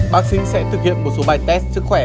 bác sĩ sẽ thực hiện một số bài test sức khỏe